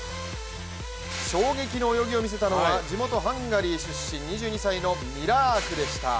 衝撃の泳ぎを見せたのは地元・ハンガリー出身、２２歳のミラークでした。